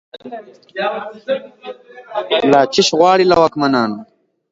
لا« څشي غواړی» له واکمنانو